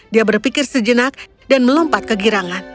dia berpikir sejenak dan melompat ke girangan